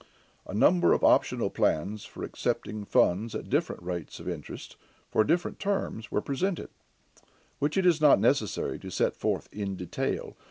A number of optional plans for accepting funds at different rates of interest for different terms were presented, which it is not necessary to set forth in detail.